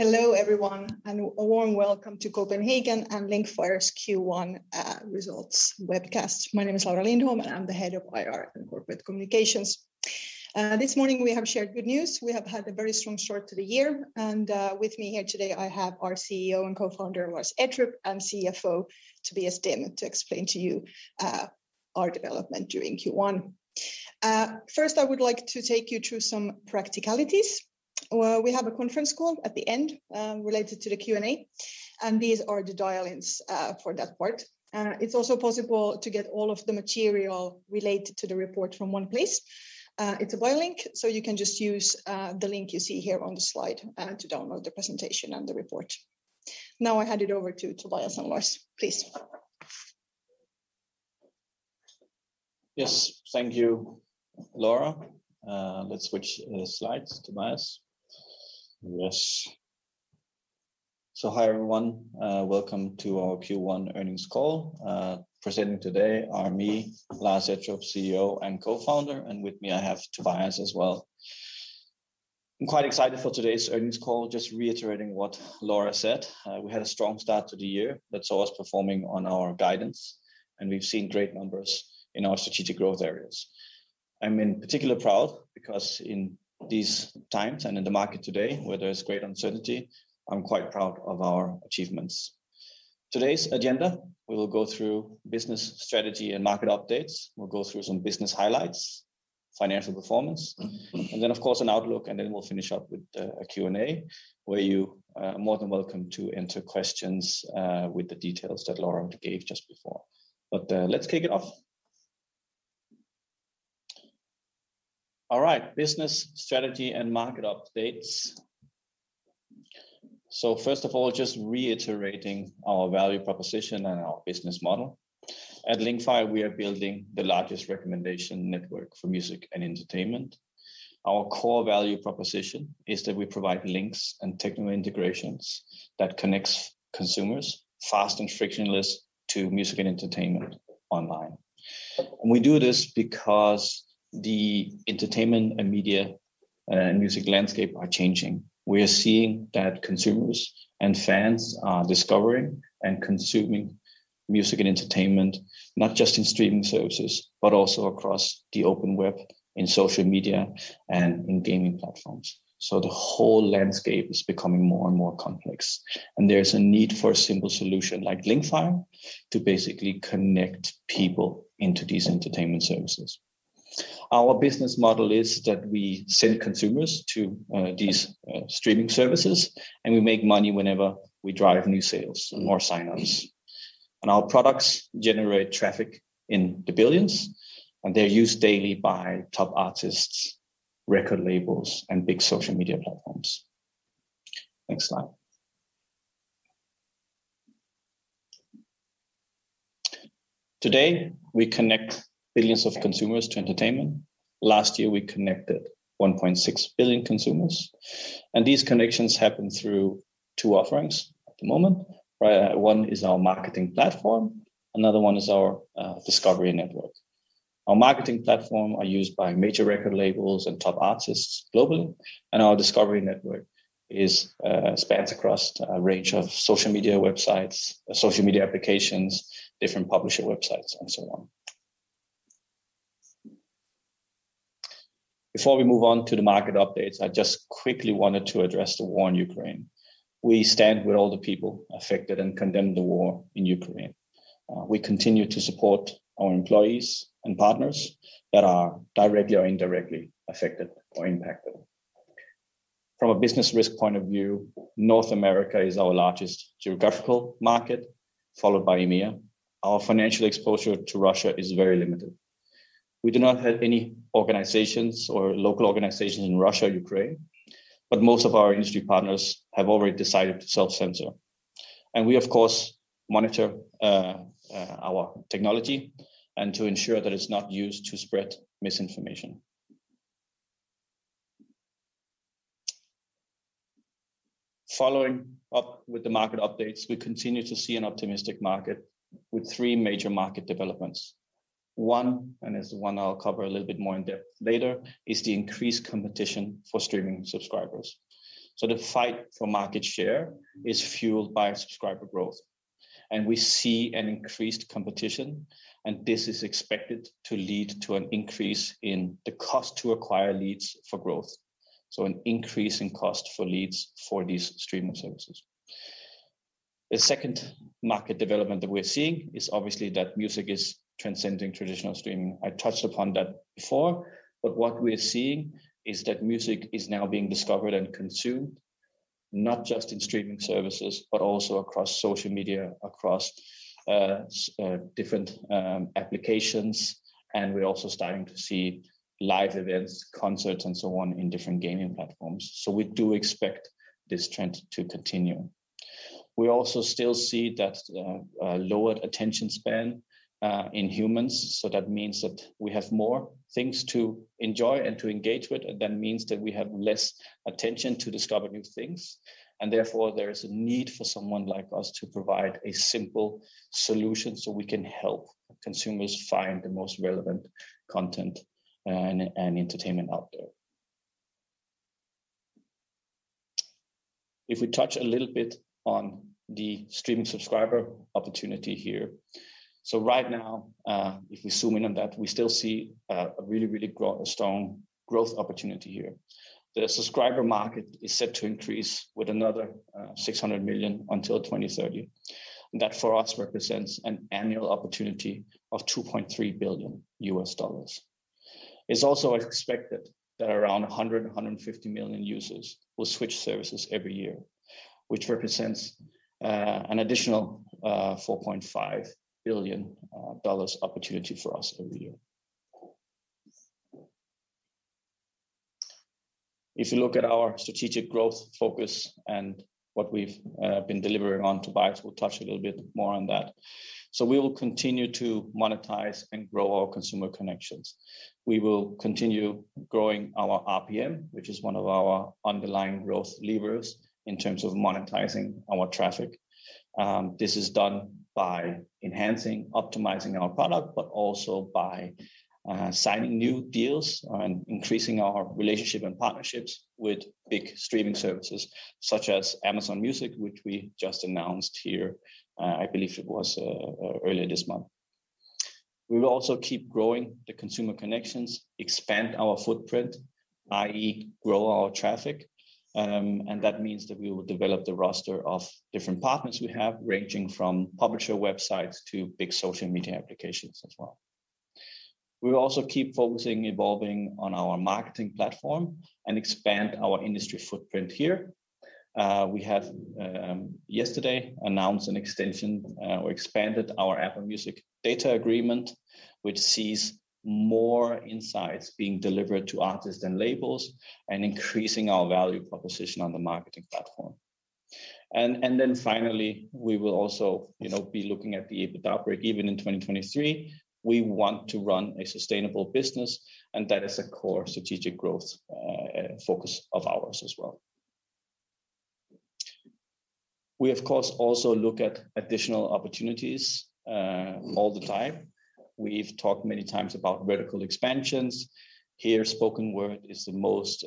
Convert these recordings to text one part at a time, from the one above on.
Hello everyone, a warm welcome to Copenhagen and Linkfire's Q1 Results Webcast. My name is Laura Lindholm, and I'm the Head of IR and Corporate Communications. This morning we have shared good news. We have had a very strong start to the year, and with me here today I have our CEO and Co-founder, Lars Ettrup, and CFO, Tobias Demuth, to explain to you our development during Q1. First I would like to take you through some practicalities. We have a conference call at the end related to the Q&A, and these are the dial-ins for that part. It's also possible to get all of the material related to the report from one place. It's a web link, so you can just use the link you see here on the slide to download the presentation and the report. Now I hand it over to Tobias and Lars, please. Yes. Thank you, Laura. Let's switch slides, Tobias. Yes. Hi everyone, welcome to our Q1 Earnings Call. Presenting today are me, Lars Ettrup, CEO and Co-founder, and with me I have Tobias as well. I'm quite excited for today's earnings call. Just reiterating what Laura said, we had a strong start to the year that saw us performing on our guidance, and we've seen great numbers in our strategic growth areas. I'm in particular proud because in these times and in the market today where there's great uncertainty, I'm quite proud of our achievements. Today's agenda, we will go through business strategy and market updates. We'll go through some business highlights, financial performance, and then of course an outlook, and then we'll finish up with a Q&A where you are more than welcome to enter questions with the details that Laura gave just before. Let's kick it off. All right. Business strategy and market updates. First of all, just reiterating our value proposition and our business model. At Linkfire, we are building the largest recommendation network for music and entertainment. Our core value proposition is that we provide links and technical integrations that connects consumers fast and frictionless to music and entertainment online. We do this because the entertainment and media, and music landscape are changing. We are seeing that consumers and fans are discovering and consuming music and entertainment, not just in streaming services, but also across the open web, in social media and in gaming platforms. The whole landscape is becoming more and more complex, and there's a need for a simple solution like Linkfire to basically connect people into these entertainment services. Our business model is that we send consumers to these streaming services, and we make money whenever we drive new sales or sign-ups. Our products generate traffic in the billions, and they're used daily by top artists, record labels, and big social media platforms. Next slide. Today, we connect billions of consumers to entertainment. Last year, we connected 1.6 billion consumers, and these connections happen through two offerings at the moment. Right, one is our marketing platform, another one is our discovery network. Our marketing platform are used by major record labels and top artists globally. Our discovery network spans across a range of social media websites, social media applications, different publisher websites, and so on. Before we move on to the market updates, I just quickly wanted to address the war in Ukraine. We stand with all the people affected and condemn the war in Ukraine. We continue to support our employees and partners that are directly or indirectly affected or impacted. From a business risk point of view, North America is our largest geographical market, followed by EMEA. Our financial exposure to Russia is very limited. We do not have any organizations or local organizations in Russia or Ukraine, but most of our industry partners have already decided to self-censor. We of course monitor our technology to ensure that it's not used to spread misinformation. Following up with the market updates, we continue to see an optimistic market with three major market developments. One, and it's the one I'll cover a little bit more in depth later, is the increased competition for streaming subscribers. The fight for market share is fueled by subscriber growth, and we see an increased competition, and this is expected to lead to an increase in the cost to acquire leads for growth, so an increase in cost for leads for these streaming services. The second market development that we are seeing is obviously that music is transcending traditional streaming. I touched upon that before, but what we are seeing is that music is now being discovered and consumed not just in streaming services, but also across social media, across different applications. We're also starting to see live events, concerts, and so on in different gaming platforms. We do expect this trend to continue. We also still see that lowered attention span in humans. That means that we have more things to enjoy and to engage with, and that means that we have less attention to discover new things. Therefore, there is a need for someone like us to provide a simple solution, so we can help consumers find the most relevant content and entertainment out there. If we touch a little bit on the streaming subscriber opportunity here. Right now, if we zoom in on that, we still see a really strong growth opportunity here. The subscriber market is set to increase with another 600 million until 2030. That for us represents an annual opportunity of $2.3 billion. It's also expected that around 100-150 million users will switch services every year, which represents an additional $4.5 billion opportunity for us every year. If you look at our strategic growth focus and what we've been delivering on, Tobias will touch a little bit more on that. We will continue to monetize and grow our consumer connections. We will continue growing our RPM, which is one of our underlying growth levers in terms of monetizing our traffic. This is done by enhancing, optimizing our product, but also by signing new deals and increasing our relationship and partnerships with big streaming services such as Amazon Music, which we just announced here, I believe it was earlier this month. We will also keep growing the consumer connections, expand our footprint, i.e., grow our traffic, and that means that we will develop the roster of different partners we have, ranging from publisher websites to big social media applications as well. We will also keep focusing, evolving on our marketing platform and expand our industry footprint here. We have yesterday announced an extension or expanded our Apple Music data agreement, which sees more insights being delivered to artists and labels and increasing our value proposition on the marketing platform. Finally, we will also, you know, be looking at the EBITDA break even in 2023. We want to run a sustainable business, and that is a core strategic growth focus of ours as well. We, of course, also look at additional opportunities all the time. We've talked many times about vertical expansions. Here, spoken word is the most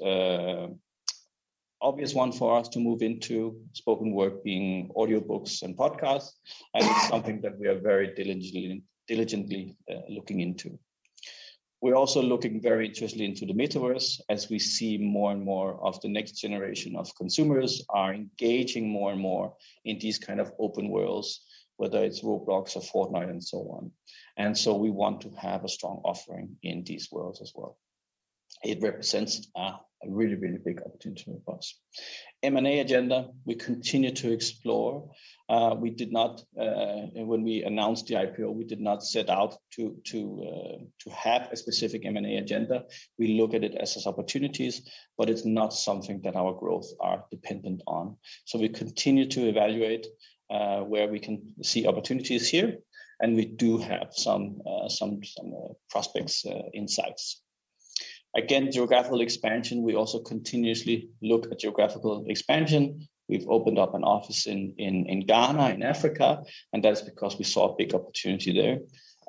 obvious one for us to move into, spoken word being audiobooks and podcasts, and it's something that we are very diligently looking into. We're also looking very interestingly into the metaverse as we see more and more of the next generation of consumers are engaging more and more in these kind of open worlds, whether it's Roblox or Fortnite and so on. We want to have a strong offering in these worlds as well. It represents a really big opportunity for us. M&A agenda, we continue to explore. We did not, when we announced the IPO, we did not set out to have a specific M&A agenda. We look at it as opportunities, but it's not something that our growth are dependent on. We continue to evaluate where we can see opportunities here, and we do have some prospects insights. Again, geographical expansion, we also continuously look at geographical expansion. We've opened up an office in Ghana, in Africa, and that is because we saw a big opportunity there.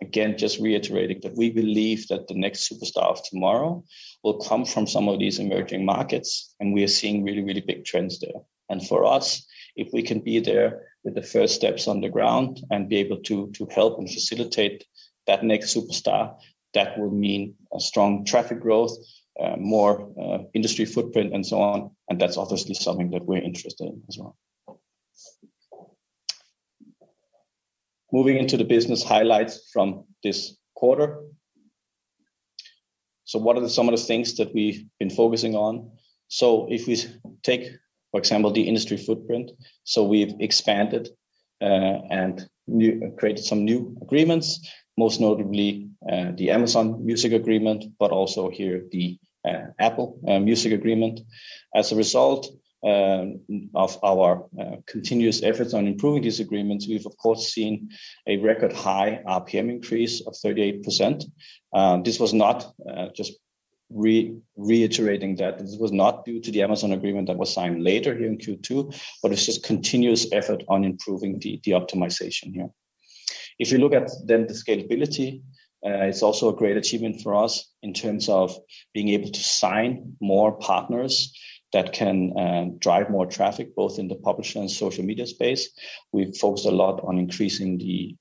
Again, just reiterating that we believe that the next superstar of tomorrow will come from some of these emerging markets, and we are seeing really big trends there. For us, if we can be there with the first steps on the ground and be able to help and facilitate that next superstar, that will mean a strong traffic growth, more industry footprint and so on, and that's obviously something that we're interested in as well. Moving into the business highlights from this quarter. What are some of the things that we've been focusing on? If we take, for example, the industry footprint, we've expanded and created some new agreements, most notably the Amazon Music agreement, but also here the Apple Music agreement. As a result of our continuous efforts on improving these agreements, we've of course seen a record high RPM increase of 38%. This was not just reiterating that this was not due to the Amazon agreement that was signed later here in Q2, but it's just continuous effort on improving the optimization here. If you look at then the scalability, it's also a great achievement for us in terms of being able to sign more partners that can drive more traffic, both in the publisher and social media space. We've focused a lot on increasing the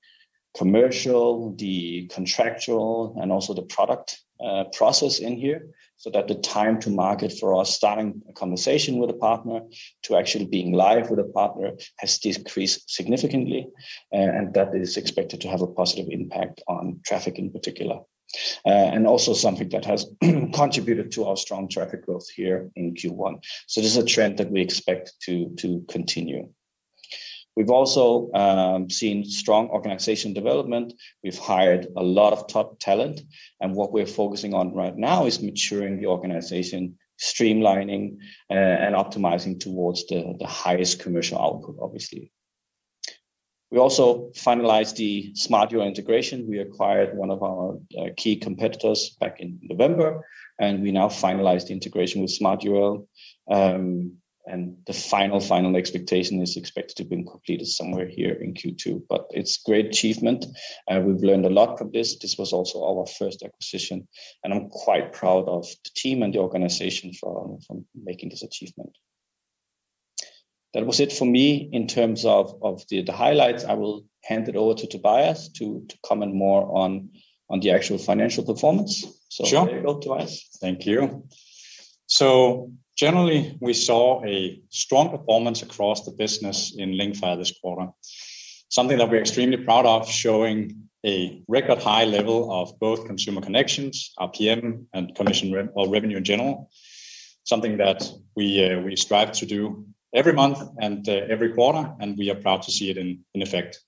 commercial, the contractual, and also the product, process in here, so that the time to market for us starting a conversation with a partner to actually being live with a partner has decreased significantly. That is expected to have a positive impact on traffic in particular. Also something that has contributed to our strong traffic growth here in Q1. This is a trend that we expect to continue. We've also seen strong organization development. We've hired a lot of top talent, and what we're focusing on right now is maturing the organization, streamlining, and optimizing towards the highest commercial output, obviously. We also finalized the smartURL integration. We acquired one of our key competitors back in November, and we now finalized the integration with smartURL. Final expectation is expected to have been completed somewhere here in Q2, but it's great achievement. We've learned a lot from this. This was also our first acquisition, and I'm quite proud of the team and the organization for making this achievement. That was it for me in terms of the highlights. I will hand it over to Tobias to comment more on the actual financial performance. Sure. Here you go, Tobias. Thank you. Generally, we saw a strong performance across the business in Linkfire this quarter. Something that we're extremely proud of, showing a record high level of both consumer connections, RPM, and revenue in general. Something that we strive to do every month and every quarter, and we are proud to see it in effect.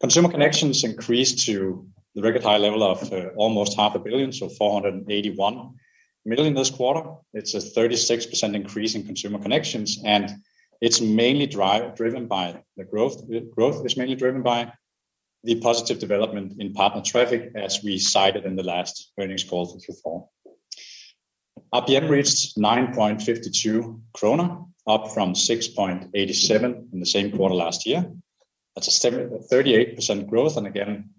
Consumer connections increased to the record high level of almost half a billion, so 481 million this quarter. It's a 36% increase in consumer connections, and it's mainly driven by the growth. The growth is mainly driven by the positive development in partner traffic, as we cited in the last earnings call for Q4. RPM reached 9.52 kroner, up from 6.87 in the same quarter last year. That's a 38% growth and again,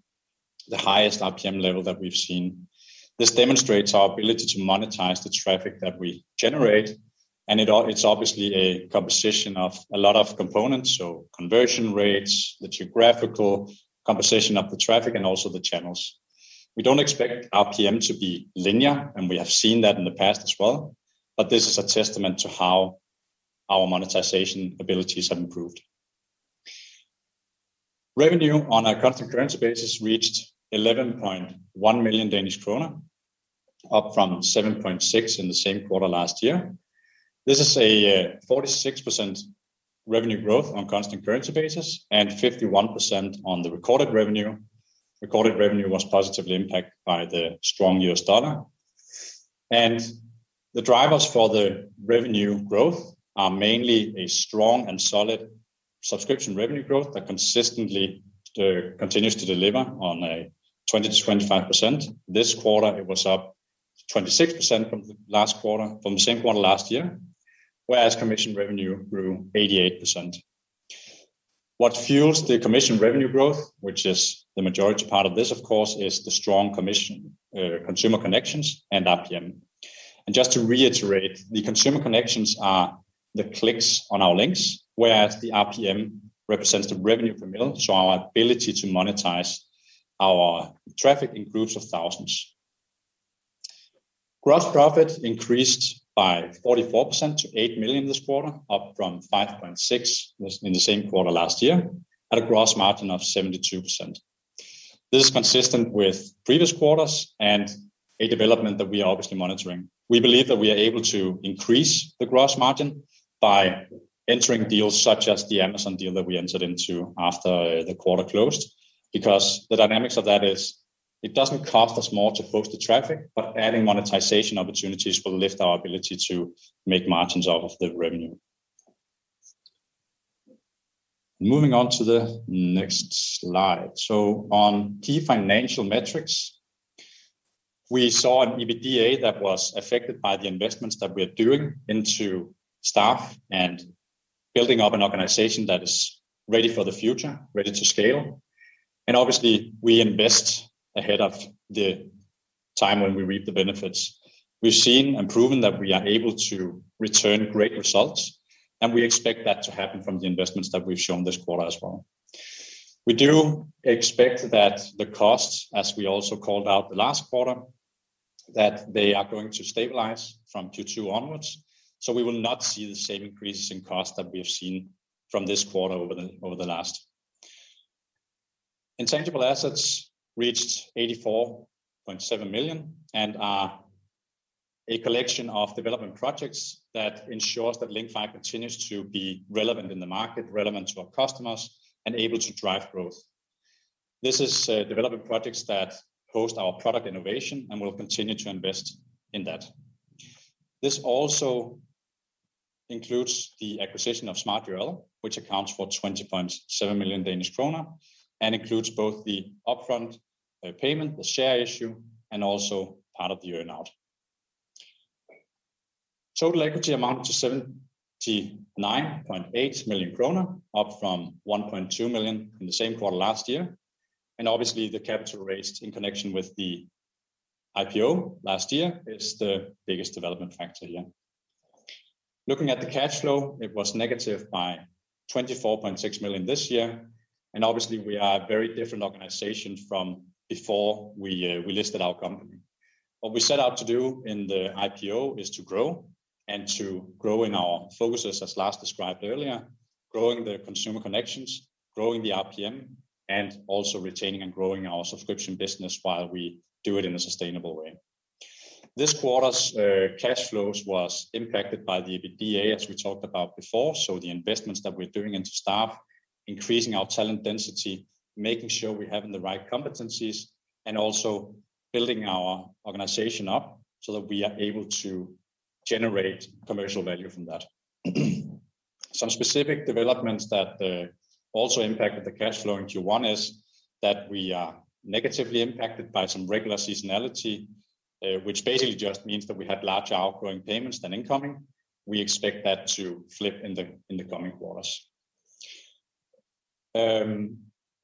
the highest RPM level that we've seen. This demonstrates our ability to monetize the traffic that we generate, and it's obviously a composition of a lot of components, so conversion rates, the geographical composition of the traffic, and also the channels. We don't expect RPM to be linear, and we have seen that in the past as well, but this is a testament to how our monetization abilities have improved. Revenue on a constant currency basis reached 11.1 million Danish kroner, up from 7.6 million in the same quarter last year. This is a 46% revenue growth on constant currency basis and 51% on the recorded revenue. Recorded revenue was positively impacted by the strong US dollar. The drivers for the revenue growth are mainly a strong and solid subscription revenue growth that consistently continues to deliver on a 20%-25%. This quarter, it was up 26% from the last quarter, from the same quarter last year, whereas commission revenue grew 88%. What fuels the commission revenue growth, which is the majority part of this, of course, is the strong Consumer connections and RPM. Just to reiterate, the Consumer connections are the clicks on our links, whereas the RPM represents the revenue per million, so our ability to monetize our traffic in groups of thousands. Gross profit increased by 44% to 8 million this quarter, up from 5.6 million in the same quarter last year, at a gross margin of 72%. This is consistent with previous quarters and a development that we are obviously monitoring. We believe that we are able to increase the gross margin by entering deals such as the Amazon deal that we entered into after the quarter closed. Because the dynamics of that is it doesn't cost us more to post the traffic, but adding monetization opportunities will lift our ability to make margins off of the revenue. Moving on to the next slide. On key financial metrics, we saw an EBITDA that was affected by the investments that we are doing into staff and building up an organization that is ready for the future, ready to scale. Obviously, we invest ahead of the time when we reap the benefits. We've seen and proven that we are able to return great results, and we expect that to happen from the investments that we've shown this quarter as well. We do expect that the costs, as we also called out the last quarter, that they are going to stabilize from Q2 onwards, so we will not see the same increases in costs that we have seen from this quarter over the last. Intangible assets reached 84.7 million and are a collection of development projects that ensures that Linkfire continues to be relevant in the market, relevant to our customers, and able to drive growth. This is development projects that host our product innovation, and we'll continue to invest in that. This also includes the acquisition of smartURL, which accounts for 20.7 million Danish krona and includes both the upfront payment, the share issue, and also part of the earn-out. Total equity amounted to 79.8 million krona, up from 1.2 million in the same quarter last year. Obviously, the capital raised in connection with the IPO last year is the biggest development factor here. Looking at the cash flow, it was negative by 24.6 million this year, and obviously we are a very different organization from before we listed our company. What we set out to do in the IPO is to grow and to grow in our focuses, as Lars described earlier, growing the consumer connections, growing the RPM, and also retaining and growing our subscription business while we do it in a sustainable way. This quarter's cash flows was impacted by the EBITDA, as we talked about before. The investments that we're doing into staff, increasing our talent density, making sure we're having the right competencies, and also building our organization up so that we are able to generate commercial value from that. Some specific developments that also impacted the cash flow in Q1 is that we are negatively impacted by some regular seasonality, which basically just means that we had larger outgoing payments than incoming. We expect that to flip in the coming quarters.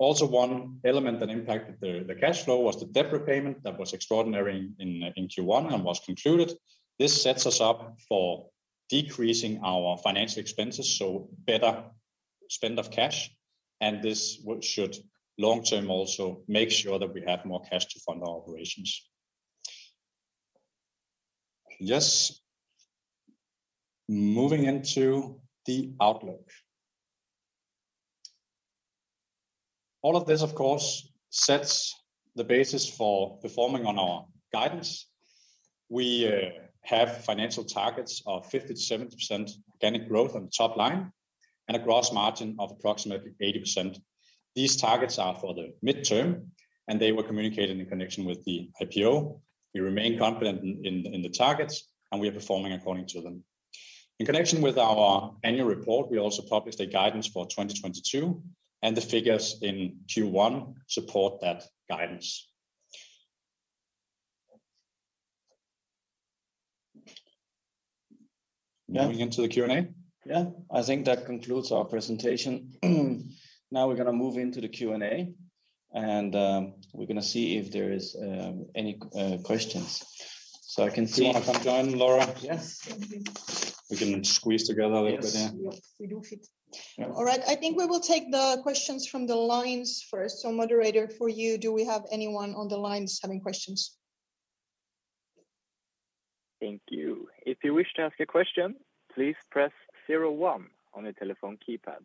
Also one element that impacted the cash flow was the debt repayment that was extraordinary in Q1 and was concluded. This sets us up for decreasing our financial expenses, so better spend of cash. This should long term also make sure that we have more cash to fund our operations. Moving into the outlook. All of this of course sets the basis for performing on our guidance. We have financial targets of 50%-70% organic growth on the top line and a gross margin of approximately 80%. These targets are for the midterm, and they were communicated in connection with the IPO. We remain confident in the targets, and we are performing according to them. In connection with our annual report, we also published a guidance for 2022, and the figures in Q1 support that guidance. Moving into the Q&A? Yeah. I think that concludes our presentation. Now we're gonna move into the Q&A, and we're gonna see if there is any questions. I can see- If I can join Laura. Yes. Mm-hmm. We can squeeze together a little bit, yeah? Yes. Yes, we do fit. Yeah. All right. I think we will take the questions from the lines first. Moderator for you, do we have anyone on the lines having questions? Thank you. If you wish to ask a question, please press zero one on your telephone keypad.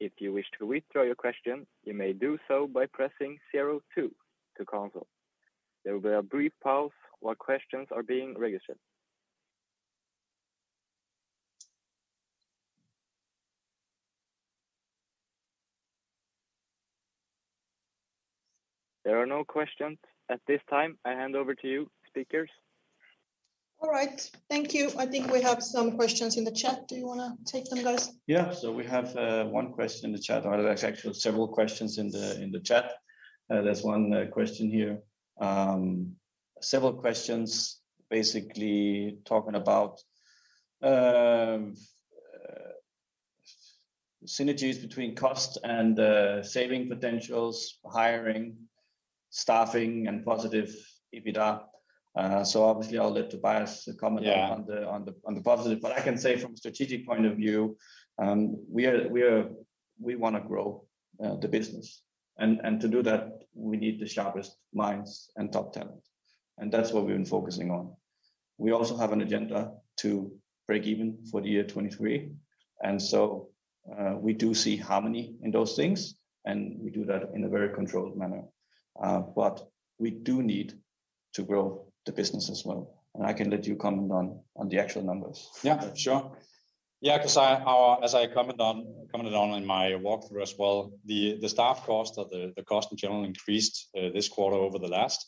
If you wish to withdraw your question, you may do so by pressing zero two to cancel. There will be a brief pause while questions are being registered. There are no questions at this time. I hand over to you, speakers. All right. Thank you. I think we have some questions in the chat. Do you wanna take them, guys? Yeah. We have one question in the chat. Well, there's actually several questions in the chat. There's one question here. Several questions basically talking about synergies between costs and saving potentials, hiring, staffing, and positive EBITDA. Obviously I'll let Tobias comment. Yeah on the positive. I can say from a strategic point of view, we want to grow the business. To do that, we need the sharpest minds and top talent, and that's what we've been focusing on. We also have an agenda to break even for the year 2023. We do see harmony in those things, and we do that in a very controlled manner. We do need to grow the business as well, and I can let you comment on the actual numbers. Yeah. Sure. Yeah, 'cause as I commented on in my walkthrough as well, the staff cost or the cost in general increased this quarter over the last.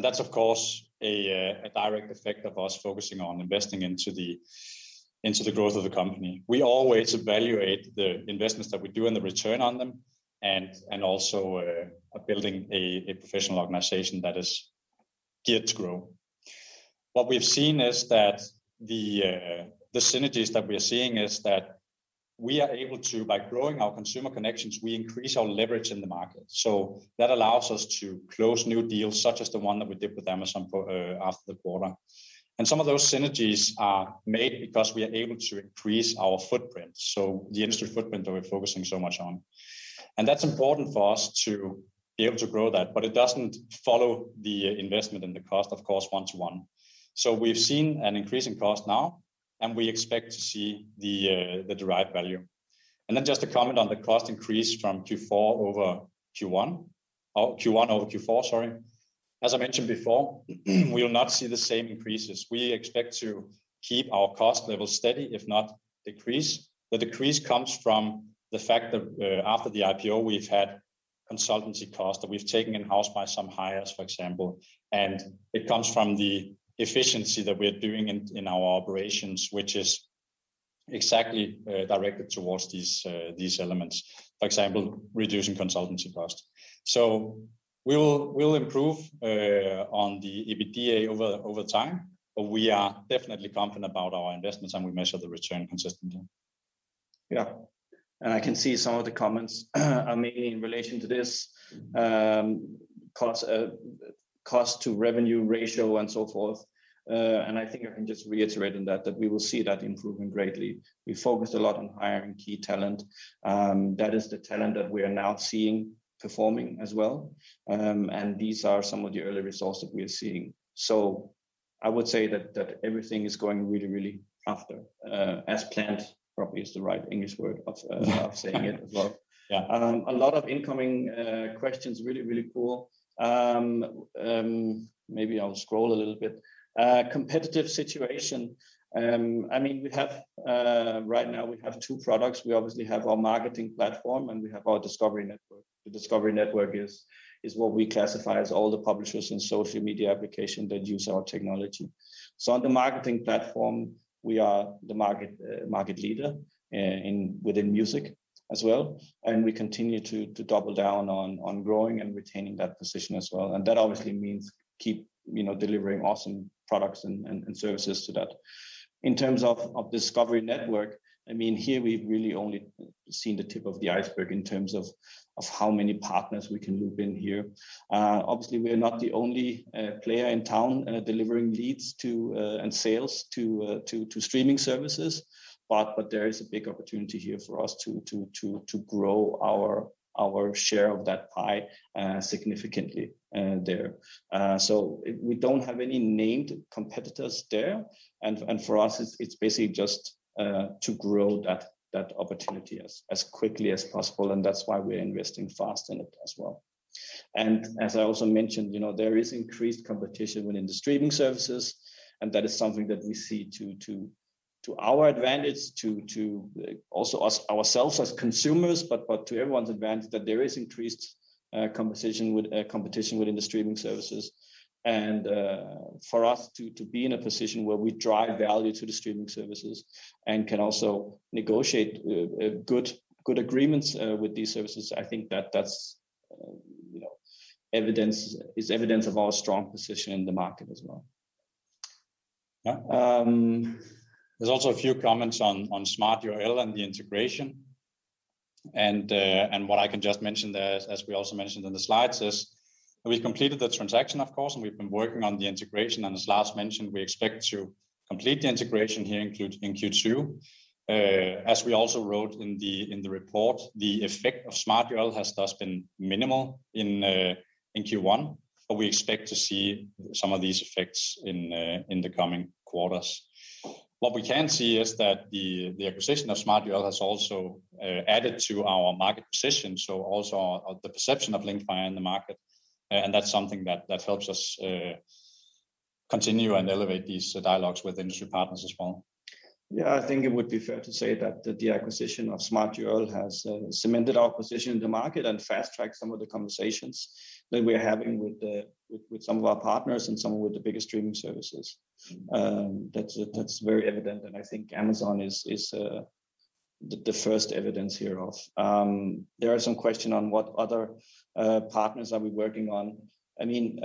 That's of course a direct effect of us focusing on investing into the growth of the company. We always evaluate the investments that we do and the return on them and also building a professional organization that is geared to grow. What we've seen is that the synergies that we are seeing is that we are able to, by growing our consumer connections, we increase our leverage in the market. That allows us to close new deals such as the one that we did with Amazon for after the quarter. Some of those synergies are made because we are able to increase our footprint, so the industry footprint that we're focusing so much on. That's important for us to be able to grow that, but it doesn't follow the investment and the cost, of course, 1 to 1. We've seen an increase in cost now, and we expect to see the derived value. Just to comment on the cost increase from Q4 over Q1 or Q1 over Q4, sorry. As I mentioned before, we will not see the same increases. We expect to keep our cost levels steady, if not decrease. The decrease comes from the fact that after the IPO, we've had consultancy costs that we've taken in-house by some hires, for example. It comes from the efficiency that we're doing in our operations, which is exactly directed towards these elements. For example, reducing consultancy costs. We will improve on the EBITDA over time, but we are definitely confident about our investments, and we measure the return consistently. Yeah. I can see some of the comments are mainly in relation to this. Cost to revenue ratio and so forth. I think I can just reiterate on that that we will see that improving greatly. We focused a lot on hiring key talent. That is the talent that we are now seeing performing as well. These are some of the early results that we are seeing. I would say that everything is going really after as planned probably is the right English word of saying it as well. Yeah. A lot of incoming questions. Really cool. Maybe I'll scroll a little bit. Competitive situation. I mean, we have right now two products. We obviously have our marketing platform, and we have our discovery network. The discovery network is what we classify as all the publishers and social media application that use our technology. So on the marketing platform, we are the market leader within music as well, and we continue to double down on growing and retaining that position as well. That obviously means keep you know delivering awesome products and services to that. In terms of Discovery Network, I mean, here we've really only seen the tip of the iceberg in terms of how many partners we can move in here. Obviously, we are not the only player in town delivering leads to and sales to streaming services. There is a big opportunity here for us to grow our share of that pie significantly there. We don't have any named competitors there. For us, it's basically just to grow that opportunity as quickly as possible, and that's why we're investing fast in it as well. As I also mentioned, you know, there is increased competition within the streaming services, and that is something that we see to our advantage to also ourselves as consumers, but to everyone's advantage that there is increased competition within the streaming services. For us to be in a position where we drive value to the streaming services and can also negotiate a good agreements with these services, I think that's, you know, evidence of our strong position in the market as well. Yeah. There's also a few comments on smartURL and the integration. What I can just mention there, as we also mentioned in the slides, is we've completed the transaction, of course, and we've been working on the integration. As Lars mentioned, we expect to complete the integration in Q2. As we also wrote in the report, the effect of smartURL has thus been minimal in Q1, but we expect to see some of these effects in the coming quarters. What we can see is that the acquisition of smartURL has also added to our market position, so also the perception of Linkfire in the market, and that's something that helps us continue and elevate these dialogues with industry partners as well. Yeah. I think it would be fair to say that the acquisition of smartURL has cemented our position in the market and fast-tracked some of the conversations that we're having with some of our partners and some of the biggest streaming services. That's very evident, and I think Amazon is the first evidence hereof. There are some questions on what other partners are we working on. I mean,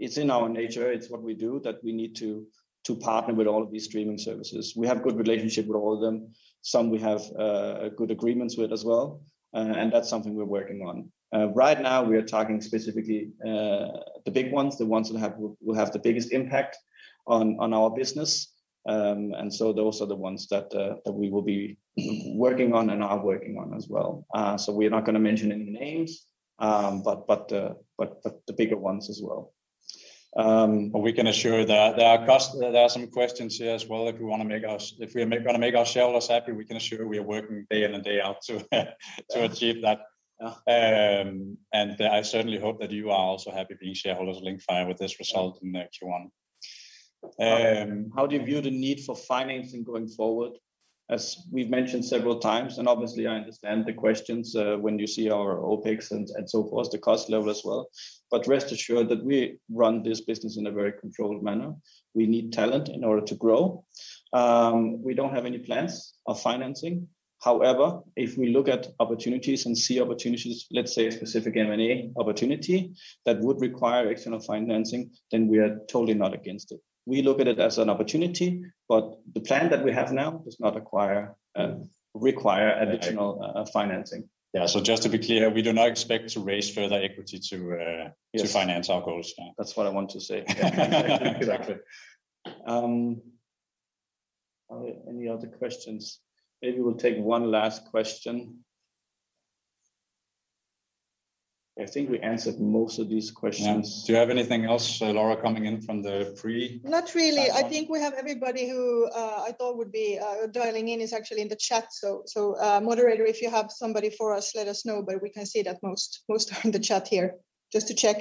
it's in our nature, it's what we do that we need to partner with all of these streaming services. We have good relationships with all of them. Some we have good agreements with as well, and that's something we're working on. Right now we are talking specifically to the big ones, the ones that will have the biggest impact on our business. Those are the ones that we will be working on and are working on as well. We're not gonna mention any names, but the bigger ones as well. We can assure that there are some questions here as well. If we're gonna make our shareholders happy, we can assure we are working day in and day out to achieve that. Yeah. I certainly hope that you are also happy being shareholders of Linkfire with this result in the Q1. How do you view the need for financing going forward? As we've mentioned several times, and obviously I understand the questions, when you see our OPEX and so forth, the cost level as well, but rest assured that we run this business in a very controlled manner. We need talent in order to grow. We don't have any plans of financing. However, if we look at opportunities and see opportunities, let's say a specific M&A opportunity that would require external financing, then we are totally not against it. We look at it as an opportunity, but the plan that we have now does not require additional financing. Yeah. Just to be clear, we do not expect to raise further equity to. Yes to finance our goals now. That's what I want to say. Exactly. Any other questions? Maybe we'll take one last question. I think we answered most of these questions. Yeah. Do you have anything else, Laura, coming in from the pre-? Not really. Platform. I think we have everybody who I thought would be dialing in is actually in the chat. Moderator, if you have somebody for us, let us know. We can see that most are in the chat here, just to check.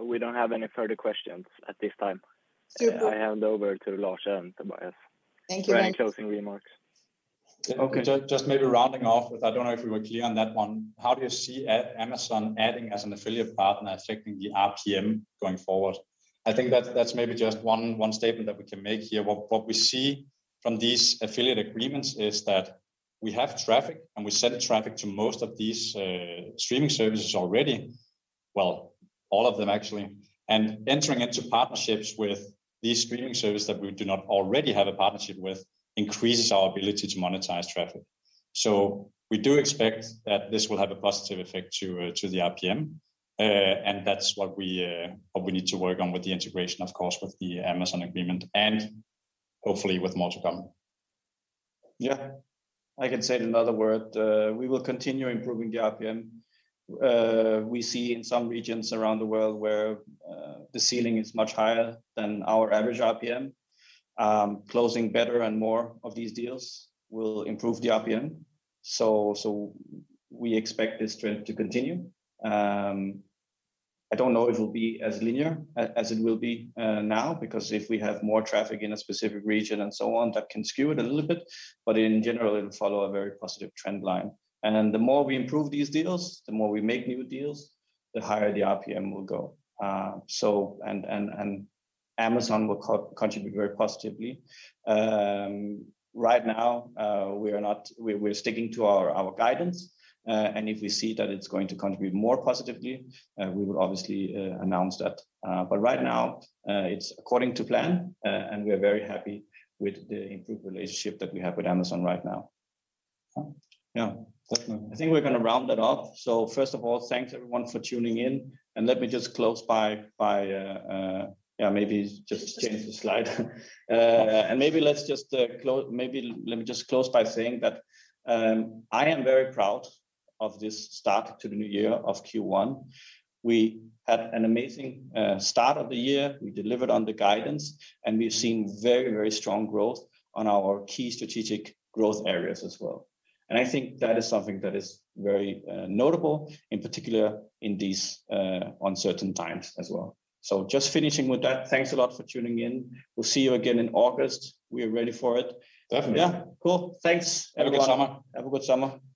We don't have any further questions at this time. Super. I hand over to Lars and Tobias. Thank you very much. For any closing remarks. Okay. Maybe rounding off with, I don't know if we were clear on that one. How do you see Amazon adding as an affiliate partner affecting the RPM going forward? I think that's maybe just one statement that we can make here. What we see from these affiliate agreements is that we have traffic, and we send traffic to most of these streaming services already. Well, all of them actually. Entering into partnerships with these streaming services that we do not already have a partnership with increases our ability to monetize traffic. We do expect that this will have a positive effect to the RPM. That's what we need to work on with the integration, of course, with the Amazon agreement and hopefully with more to come. Yeah. I can say it in other words. We will continue improving the RPM. We see in some regions around the world where the ceiling is much higher than our average RPM. Closing better and more of these deals will improve the RPM. We expect this trend to continue. I don't know if it will be as linear as it will be now, because if we have more traffic in a specific region and so on, that can skew it a little bit. In general, it'll follow a very positive trend line. The more we improve these deals, the more we make new deals, the higher the RPM will go. Amazon will contribute very positively. Right now, we're sticking to our guidance. If we see that it's going to contribute more positively, we would obviously announce that. Right now, it's according to plan, and we're very happy with the improved relationship that we have with Amazon right now. Yeah. Definitely. I think we're gonna round it up. First of all, thanks everyone for tuning in, and let me just close by saying that I am very proud of this start to the new year of Q1. We had an amazing start of the year. We delivered on the guidance, and we've seen very strong growth on our key strategic growth areas as well. I think that is something that is very notable, in particular in these uncertain times as well. Just finishing with that, thanks a lot for tuning in. We'll see you again in August. We are ready for it. Definitely. Yeah. Cool. Thanks, everyone. Have a good summer. Have a good summer.